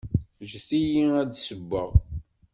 Ǧǧet-iyi ad d-ssewweɣ.